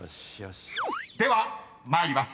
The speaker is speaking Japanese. ［では参ります。